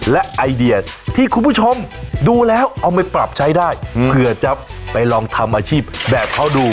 และไอเดียที่คุณผู้ชมดูแล้วเอาไปปรับใช้ได้เผื่อจะไปลองทำอาชีพแบบเขาดู